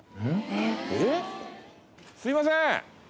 すみません！